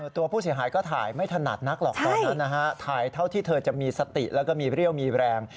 ตัวผู้เสียหายก็ถ่ายไม่ถนัดนักหรอกตอนนั้นนะฮะถ่ายเท่าที่เธอจะมีสติแล้วก็มีเรี่ยวมีแรง